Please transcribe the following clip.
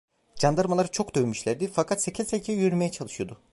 Candarmalar çok dövmüşlerdi, fakat seke seke yürümeye çalışıyordu.